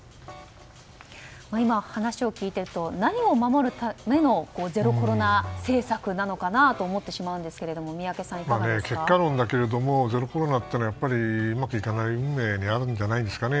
今、話を聞いていると何を守るためのゼロコロナ政策なのかなと思ってしまいますが結果論だけで言うとゼロコロナというのはうまくいかない運命にあるんじゃないですかね。